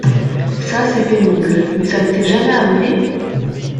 Ca, c’est pénible… mais ça ne t’est jamais arrivé ?